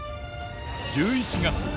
１１月。